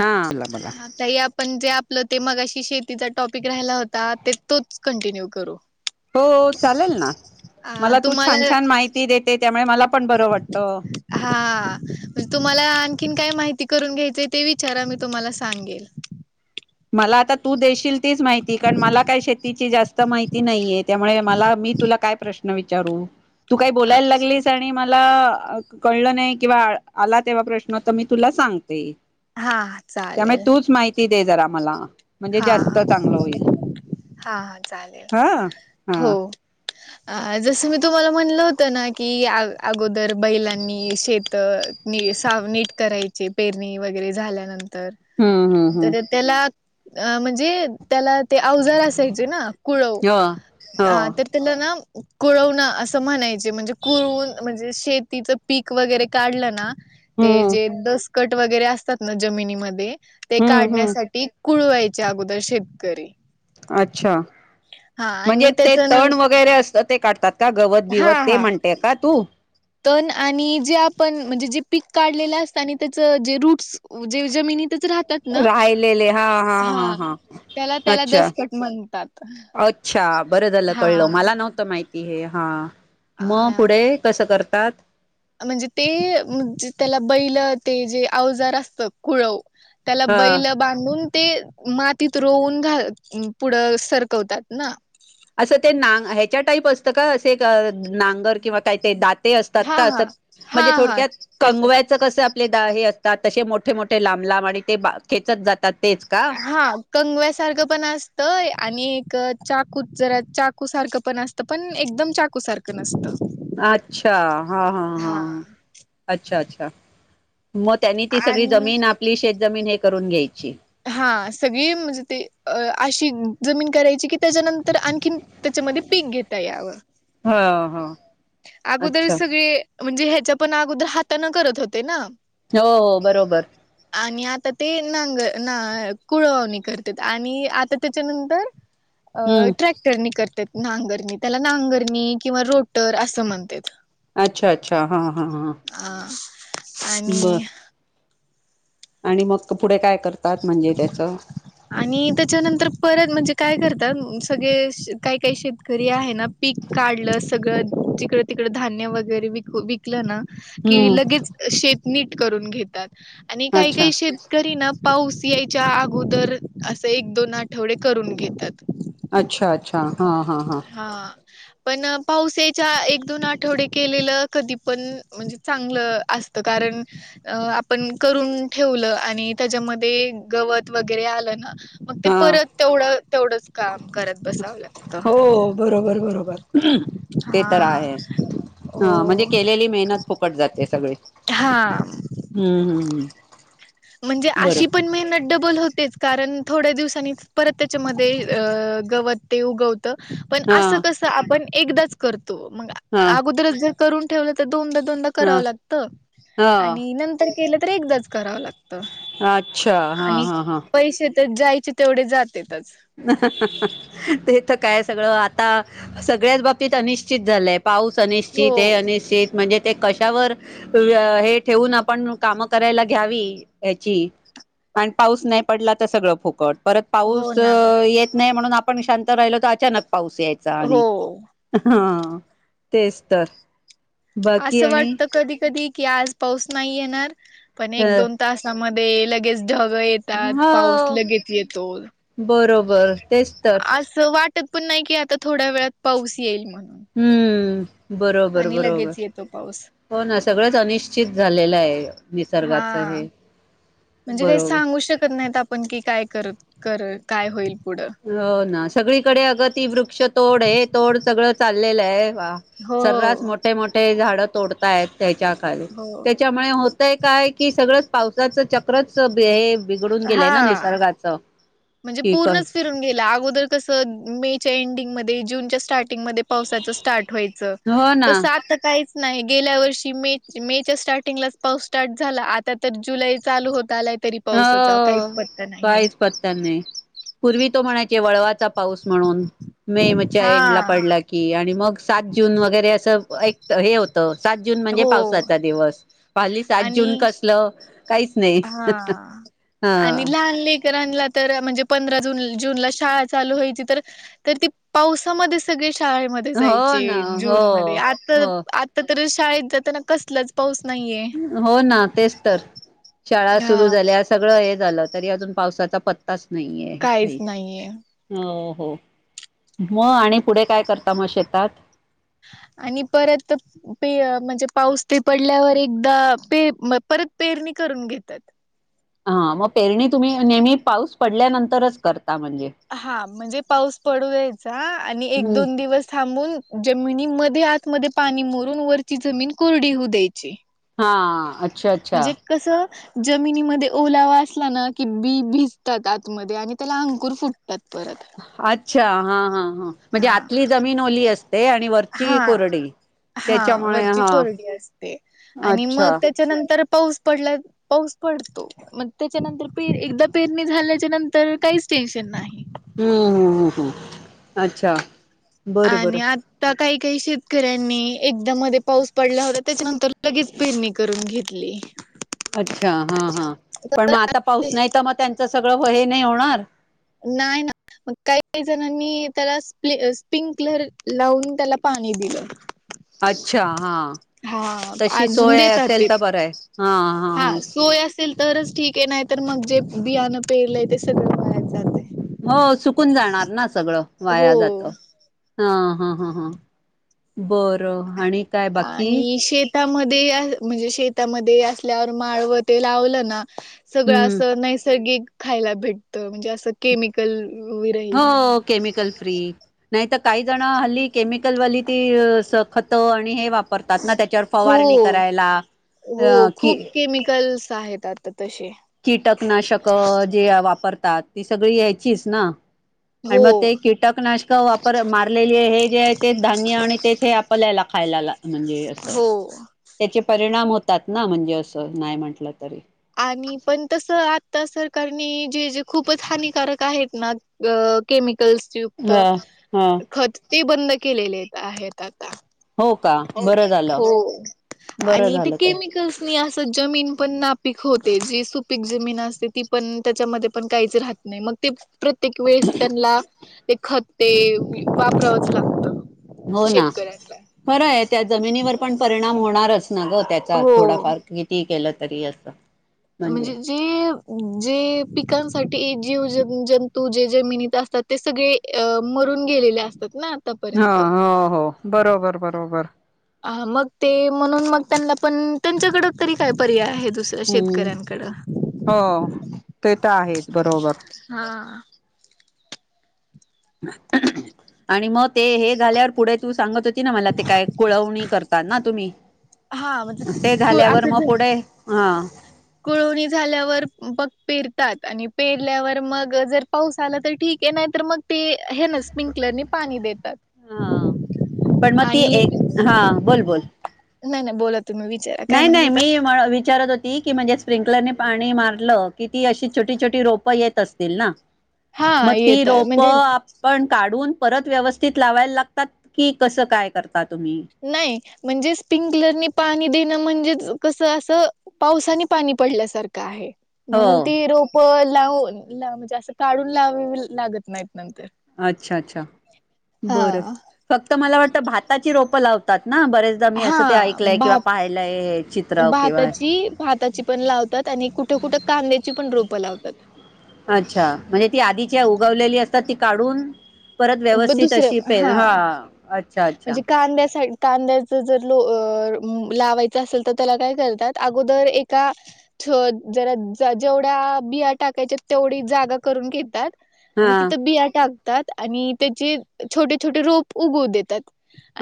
हा बोला बोला हं ताई आपण जे आप ल ते मगाशी शेतीचा टॉप पीक राहिला होता ते तोच कंटिन्यू करु. हो चालेल ना. मला तू छान छान माहिती देते. त्यामुळे मला पण बरं वाटतं हां तुम्हाला आणखीन काय माहिती करून घ्यायचे ते विचारा मी तुम्हाला सांगेल. मला आता तू देशील तीच माहिती कारण, मला काय शेतीची जास्त माहिती नाहीय. त्यामुळे मला मी तुला काय प्रश्न ण विचारू तू काही बोलायला लागलीस आणि मला अं कळलं नाही किंवा आला तेव्हा प्रश्न त मी तुला सांगते. हा चालेल. ते जरा. मला म्हणजे हा जास्त हा चांगलं होईल. हा चालेल हां हां हो. अ जसं मी तुम्हाला म्हणलं होतं ना की, अग अगोदर बैलांनी शेत नीट सा नीट करायचे. पेरणी वगैरे झाल्यानंतर हम्म हम्म तर हम्म तर त्याला अ म्हंजे त्याला ते अवजार असायचे ना कुळव हो अ हो तर त्यान ना कुळवण असं म्हणायचे, म्हणजे कुळवून म्हणजे शेतीचं पीक वगैरे काढलं ना ते हम्म जे दस कट वगैरे असतात, ना जमिनीमध्ये ते हम्म हम्म काढण्यासाठी कुळवायचे अगोदर शेतकरी. अच्छा हा आणि म्हणजे ते त्याच न तण वगैरे असतात ते काढतात का गवत हा बिवत ते हा म्हणते य का तू? तण आणि जे आपण म्हंजे जे पीक काढलेले असतं आणि त्याच जे रूट्स जे जमिनीत राहिलेले हां हां हा हा त्याला त्याला अच्छा, दसकट म्हणतात अच्छा बरं झालं हा कळलं मला नव्हतं माहित! ती हे हां. म आ पुढे कसं कर तात? म्हणजे तेे जे त्याला बैल ते जे अवजार असतं कुळव, त्याला ह बैलं बांधून ते मातीत रोवून घाल पुढं सरकवतात ना ते असं ते नांग ह्याच्या टाईप असतं का असे एक अ नांगर किंवा काय ते दात ते असतात हा का अस हा हा म्हणजे हा थोडक्यात तेच असत. कंगव्याच कसं आपले द हे अस तसे मोठे मोठे लांब लांब आणि ते बा खेचत जात हा कंगव्यासारखं पण असतंय आणि एक चाकूत जरा चाकूसारखं पण असतं पण एकदम चाकूसारखं नसतं. अच्छा हा हा हा अच्छा, अच्छा. मग त्यांनी ती सगळी आणि जमीन आपली शेत जमीन हे करून घ्यायची. हा सगळी म्हणजे ते अ अशी जमीन करायची की त्याच्यानंतर आणखीन त्याच्यामध्ये पीक घेता यावं. हा हा अगोदर अच्छा. सगळे म्हणजे ह्या च्या पण अगोदर हातानं करत होते ना. हो हो बरोबर आणि आता ते नांग ना कुळवणी करतेत आणि आता त्याच्यानंतर अ हम्म ट्रॅक्टरनी कर तेत नांगरणी त्याला नांगरणी किंवा रोटर असं म्हणतेत. अच्छा, अच्छा, हा हा हा. आणि बर आणि मग अता पुढे काय? करतात म्हणजे त्याचं आणि त्याच्यानंतर परत म्हणजे काय करतात सगळे शे काही काही शेतकरी आहे ना पीक काढलं सगळं जिकडं-तिकड धान्य वगैरे विक-विकलं ना कि हम्म लगेच शेत नीट करून घेतात. आणि काही अच्छा काही शेतकरी ना पाऊस यायच्या अगोदरच असं एक, दोन आठवडे करून घेतात. अच्छा, अच्छा. ह ह ह. हा पण पाऊस यायच्या एक, दोन आठवडे केलेलं कधी पण म्हणजे चांगलं असत, कारण अ आपण करून ठेवलं आणि त्याच्यामध्ये गवत वगैरे आलं ना. मग ते हा परत तेवढं तेवढंच काम. करत बसावं हो लागतं बरोबर, बरोबर. ते तर हा आहे ह म्हणजे हो केलेली मेहनत फुकट जाते सगळी हा हम्म, हम्म. म्हणजे बरं अशी पण मेहनत डबल होतेच. कारण थोड्या दिवसांनी परत त्याच्यामध्ये अ गवत ते उगव त पण हा असं कस आपण एकदाच कर तो मग हा अगोदरच जर करून ठेवलं तर दोनदा, दोनदा हा करावं लागत हा आणि नंतर केलं तर एकदाच करावं लागत. अच्छा हा हा हा. ते जायचे तेवढे जातेत. [inaudible] ते इथं काय सळं आता सगळ्याच बाबतीत अनिश्चित झालंय. पाऊस हो. अनिश्चित हे अनिश्चित म्हणजे. ते कशावर हे ठेवून आपण कामं करायला घ्यावी याची आणि पाऊस नाही पडला तर सगळं फुकट. परत हो पाऊस, ना येत नाही म्हणून. आपण शांत राहिलो तर अचानक... पाऊस यायचा आणि हो हा. तेच तर. बाकी असं आणि वाटत कधी कधी की आज... पाऊस नाही येणार. पण अ, एक दोन तास., मध्ये लगेच. ग येतात पाऊस हो लगेच येतो अस बरोबर तेच तर वाट... वा पण नाही की आता थोड्या वेळात पाऊस येईल मग... हम्म. बरोबर बरोबर लगेच येतो पाऊस हो ना. सगळंच अनिश्चित झालेलं आहे. हा निसर्गाचं हे म्हणजे काही बरोबर सांगू शकत नाहीत आप पण की काय कर कर काय होईल. पुढं हो ना सगळीकडे [unintelligible] क्ष तोड हे तोड सगळं चाल झालेला आहे हो सर्रास मोठे मोठे झाड तोडता आहेत त्याच्या काली हो त्याच्यामुळे होतय काय कि सगळं पावसाचं चक्रच हे बिघडून गेलेय ना हा निसर्गाचं? म्हणजे ठीक आहे पूर्णच अगोदर कस मेच्या एंडिंग जून स्ट पावसाचं स्टार्ट व्हायच हो ना तर आता नाही गेल्या वर्षी मे मेच्या स्टार्टिंगलाच पाऊस स्टार्ट झाला आता तर जुलै चालू होत आलाय तरी हो! पावसाचा काहीच पत्ता नाहीये काहीच पत्ता नाही. पूर्वी तो म्हणायचे वळवाचा पाऊस म्हणून. मेव च्या हा एंड ला पडला की आणि मग सात जून वगैरे असं ऐक्त्त त हे होतं. सात जून म्हणजे हो पावसाचा दिवस. हल्लीली सात जून कसलं काहीच नाय हां, आणि लहानलेख तर आणला तर म्हणजे पंधरा जून ज्यून ला शाळा चालू व्हायची तर तर ती पावसामध्ये सगळी श शाळेमध्ये हो जायचे ना हो जून मध्ये आता हो आता तर शाळेत जाताना कसलाच पाऊस नाहीये हो ना तेच तर. शाळा हा सुरु झाल्या सगळ अहेत. झालं तरी अजून पावसाचा पत् ताच नाहीये काहीच काही नाहीये हो. हो म आणि पुढे काय करता मग शेतात. आणि परत पे म्हणजे पाऊस ते पडल्यावर एकदा पपे परत पेरणी करून घेतात. हा मग पेरणी तुम्ही नेहमी पाऊस पडल्यानंतरच कर हा म्हणजे पाऊस पडू द्यायचा आणि एक हम्म. दोन दिवस थांबून जमिनी मध्ये आत मधे पाणी मुरून वरची जमीन कोरडी होऊ द्यायची. हां आच्छा, आच्छा. म्हणजे कसं जमिनीमध्ये ओलावा असला ना कि बी भिजतात आतमध्ये आणि त्याला अंकूर फुट तात परत. अच्छा हा हं. हं म्हणजे आतली जमीन ओली असते. आणि वरची हां कोरडी हा त्याच्यामुळे वरची हा कोरडी असते आणि मग अच्छा ते च्यानंतर पाऊस पडला पाऊस पडतो. मग त्याच्यानंतर पेर एकदा पेरणी झाल्याच्या नंतर काहीच टेन्शन नाही. हम्म हं आच्छा. आणि आता काही काही शेतकऱ्यांनी एक दा मध्ये पाऊस पडला होता त्याच्यानंतर लगेच पेरणी करून घेतली. अच्छा हां हां पण म आता पाऊस नाही त म त्यांच सगळं व्हहे नाही होणार? नाही ना मग काही काही जणांनी त्याला स्ली स्लिप्कलर लावून त्याला पाणी दिलं. अच्छा हा हा तशी अजून सोय देतात असेल ते तर बरं आहे. हा हा हा. असल तरच ठीक आहे नाही तर मग जे बियाणं पेरलंय ते सगळं बाहेर हो सु -कून जाणार ना सगळं वाया जात. हो हं हा हां हां बरं आणि. काय बाकी आणि शेत त्यामध्ये म्हणजे शेतामध्ये असल्यावर माळवं ते लावलं ना सगळं हम्म असं नैसर्गिक खायला भेटतं म्हणजे असं केमिकल विरहित हो केमिकल फ्री. नाहीतर काही जण हल्ली केमिकलवाली ती खत आणि हे वाप- -रतात त्याच्यावर हो फवारणी करायला. हो की खूप केमिकल्स आहेत आता. तसे कीटकनाशक जे वापर -तात सगळी ह्याचीच ना आणि हो मग ते कीटकनाशक वापर मारलेली हे जे आहे ते धान्य आणि तेच हे आपल्याला खायला म्हणजे अस हो त्याचे परिणाम होतात ना म्हणजे असं नाही म्हटलं तरी. आणि पण तस आता सरकारने जे जे खूपच हानिकारक आहेत ना केमि -कल्सयुक्त हा हा खत ते बंद केलेले आहेत. आहे त्या हो का बरं झालं हो बरं आणि झालं ते. केमिकल्सनी जमीन पण नापीक होते जी सुपीक जमीन असते. ती पण त्याच्यामध्ये पण काहीच राहत नाही. मग ते प्रत्येक वेळेस त्यांना ते खते वापरावंच लागत. हो ना खरं आहे. त्या जमिनीवर पण परिणाम होणारच. ना ग त्याचा हो. थोडाफार किती केलं. तरी असं. म्हणजे जे, जे पिकांसाठी जीव ज जंतू जे जमिनीत असतात ते सगळे अ मरून गेलेले असतात ना हा आतापर्यंत. हो हो बरोबर बरोबर. हा मग ते म्हणून मग त्यांना पण त्यांच्याकड तरी काय पर्याय आहेत. हम् हो ते तर आहेच बरोबर. हा. आणि मग ते हे झाल्यावर पुढे तू सांगत हो त ना मला ते काय कुळवणी करतात ना तुम्ही हा ते म्हणजे झाल्यावर मग पुढे हा कुळोणी झाल्यावर पग पेरतात आणि पेरल्यावर मग जर पाऊस आला तर ठीक आहे नाही तर मग ते हे ना स्प्रिंकलर पाणी देतात हा पण मग ती आणि एक हा बोल बोल नाही नाही बोलत नाही नाही मी विचारत होती की म्हणजे स्प्रिंकलर पाणी मारलं कि ती अशी छोटी छोटी रोपं येत असतील ना हा मती येतात रोप म्हणजे आपण काढून परत व्यवस्थित लावायला लागतात की कस काय करतात? नाही म्हणजे स्प्रंकलरनी पाणी देणं म्हणजे कसं असं पावसाने पाणी पडल्यासारखं आहे हो म्हणून ती रोपल लाव ला म्हणजे असं काढून ला लागत नाहीत नंतर अच्छा अच्छा हा बर फक्त मला वाटतं भाताची रोप लावतात. ना बरेचदा मी हा असं ते ऐकलंय भ किंवा पाहिलंय हे चित्र किंवा भाताची भाताची पण लावतात आणि कुठं कुठं कांद्याची पण रोपत लावतात. अच्छा म्हणजे ती आधीच्या उगवलेली असतात ती काढून परत ब व्यवस्थित दुसरं अशी प हा अच्छा अच्छा म्हणजे कांद्यासाठी कांद्याच जर लो लावायच असेल तर त्याला काय करतात अगोदर एका जरा जेवढ्या बिया टाकायच्या तेवढी जागा करून घेतात. हा आणि तिथं बिया टाक तात आणि त्याचे छोटे छोटे रोप उगव देतात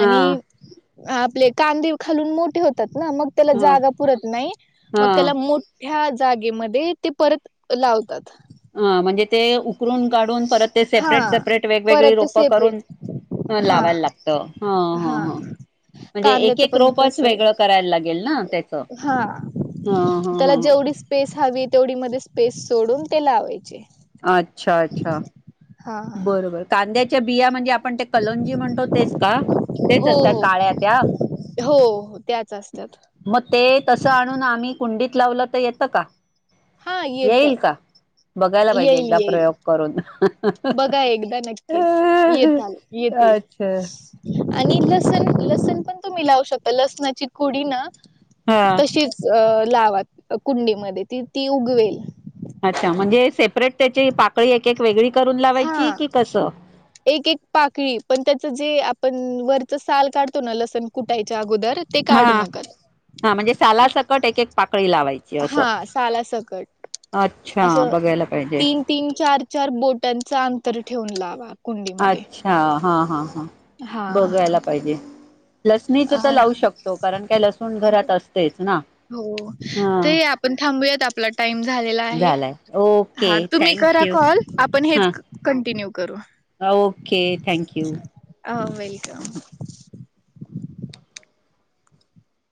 हा आपले कांदे खालून मोठे होतात. ना मग त्याला हा जागा पुरत नाही मग हा त्याला मो ह्या जागेमध्ये ते परत लावतात. ह म्हणजे ते उकरून काढून परत ते हा सेपरेट, सेपरेट वेगवेगळी परत ते रोप सेपरेट करून हा लावायला लागत हा ह म्हणजे एक कांद्याचं एक पण रोपच तसं आहे वेगळं करायला लागेल ना त्याच ह, हा ह, त्याला ह जेवढी स्पेस हवी तेवढी मध्ये स्पेस सोडून ते लावायचे अच्छा अच्छा, हा अच्छा बरोबर. कांद्या च्या बिया म्हणजे आप पण ते कलोंजी म्हणतो तेच का? तेच हो असतात हो काळ्या त्या? हो हो त्याच असतात मग ते तस आणून आमही कुंडी लावलं तर येतं का? हां येत. येईल का? बघायला पाहिजे येईल एकदा येईल प्रयोग करून. बघा एकदा नक्कीच, येताल येतील. अच्छा. आणि लसण, लसण पण तुम्ही लावू शकता. लसणाची कुडी ना हा तशीच अ लावा कुंडीमध्ये ती ती उगवेल. अच्छा म्हणजे सेपरेट त्याची पाकळी एक एक वेगळी करून लावायची हा की कसं? एक एक पाकळी पण त्याच जे आपण वरच साल काढतो ना, लसण कुटायच्या अगोदर ते काढू हां, नका हा म्हणजे साला सकट एक एक पाकळी लावायची हा असं. सालासकट अच्छा असं बघायला पाहिजे. तीन तीन, चार चार बोटांचं अंतर ठेवून लावा कुंडीमध्ये. अच्छा. हां हां हां. हा बघायला पाहिजे. लसणीच अ तर लावू शकतो, कारण काय लसूण हो घरात असतेच ना. हो, ते हा आपण थांबूयात. आपला टाइम झालेला आहे. झालाय ओके हा तुम्ही थँक करा कॉल, आपण हेच कन न्टिनिव आ okay. Thank you. Uh welcome.